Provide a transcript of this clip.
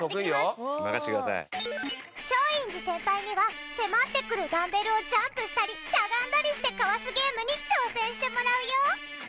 松陰寺先輩には迫ってくるダンベルをジャンプしたりしゃがんだりしてかわすゲームに挑戦してもらうよ。